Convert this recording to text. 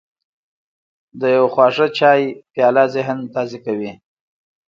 د یو خواږه چای پیاله ذهن تازه کوي.